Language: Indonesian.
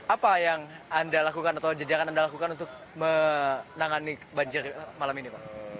apa yang anda lakukan atau jajaran anda lakukan untuk menangani banjir malam ini pak